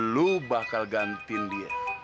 lu bakal gantiin dia